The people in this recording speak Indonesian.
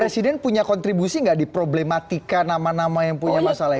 presiden punya kontribusi nggak di problematika nama nama yang punya masalah ini